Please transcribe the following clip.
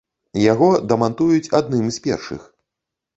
Яго дамантуюць адным з першых.